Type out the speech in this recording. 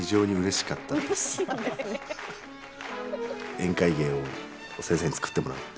宴会芸を先生に作ってもらって。